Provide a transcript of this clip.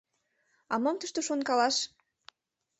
А мом тушто шонкалаш?